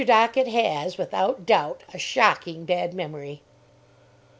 Dockett has, without doubt, a shocking bad memory.